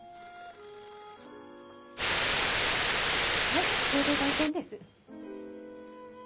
☎はい共同売店です。